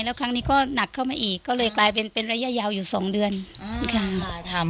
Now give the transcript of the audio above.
แล้วครั้งนี้ก็หนักเข้ามาอีกก็เลยกลายเป็นเป็นระยะยาวอยู่๒เดือน